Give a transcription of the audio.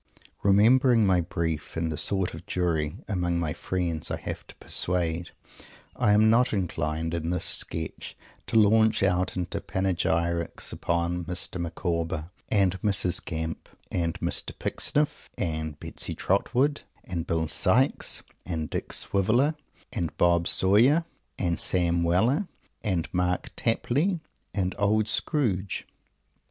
Remembering my "brief" and the sort of jury, among my friends, I have to persuade, I am not inclined in this sketch to launch out into panegyrics upon Mr. Micawber and Mrs. Gamp and Mr. Pecksniff and Betsy Trotwood and Bill Sikes and Dick Swiveller and Bob Sawyer and Sam Weller and Mark Tapley and Old Scrooge.